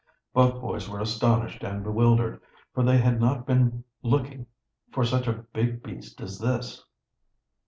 Both boys were astonished and bewildered, for they had not been looking for such a big beast as this.